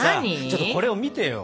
ちょっとこれを見てよ。